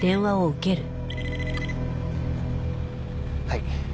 はい。